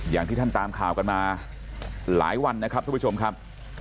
อย่างที่ท่านตามข่าวกันมาหลายวันนะครับทุกผู้ชมครับ